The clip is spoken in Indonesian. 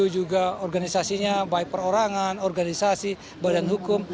dua ratus lima puluh tujuh juga organisasinya baik perorangan organisasi badan hukum